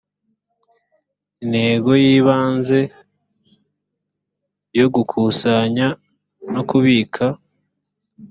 intego y’ ibanze yo gukusanya no kubika